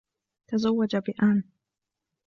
تزوج بآن.